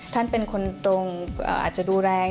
ท่านเป็นคนตรงอาจจะดูแรง